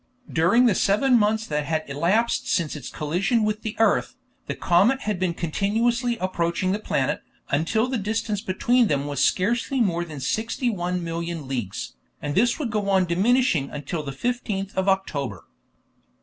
During the seven months that had elapsed since its collision with the earth, the comet had been continuously approaching the planet, until the distance between them was scarcely more than 61,000,000 leagues, and this would go on diminishing until the 15th of October.